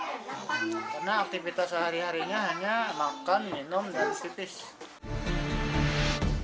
karena aktivitas sehari harinya hanya makan minum dan tipis